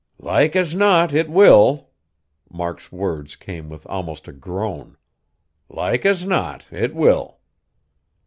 "Like as not it will!" Mark's words came with almost a groan. "Like as not it will!"